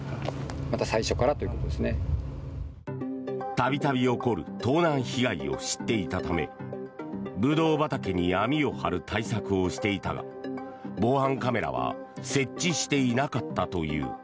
度々起こる盗難被害を知っていたためブドウ畑に網を張る対策をしていたが防犯カメラは設置していなかったという。